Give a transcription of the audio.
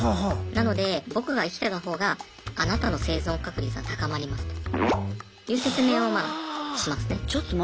なので僕が生きてたほうがあなたの生存確率は高まりますという説明をまあしますね。